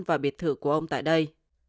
và biệt thử của ông tại đây